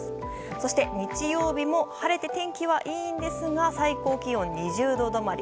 そして日曜日も晴れて天気はいいんですが最高気温は２０度止まり。